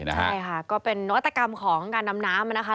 ใช่ค่ะก็เป็นนวัตกรรมของการดำน้ำนะคะ